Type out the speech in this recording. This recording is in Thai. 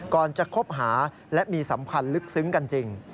ก่อนจะคบหาและมีสัมพันธ์ลึกซึ้งกันจริง